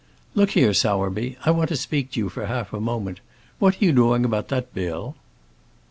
"Look here, Sowerby; I want to speak to you for half a moment. What are you doing about that bill?"